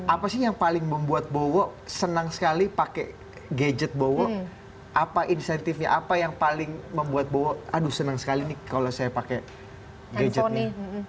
apa sih yang paling membuat bowo senang sekali pakai gadget bowo apa insentifnya apa yang paling membuat bowo aduh senang sekali nih kalau saya pakai gadget nih